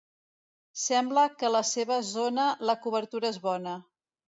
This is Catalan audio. Sembla que a la seva zona la cobertura és bona.